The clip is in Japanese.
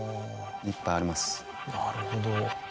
なるほど。